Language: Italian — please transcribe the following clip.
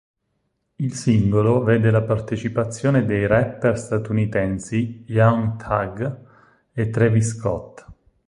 Il singolo vede la partecipazione dei rapper statunitensi Young Thug e Travis Scott.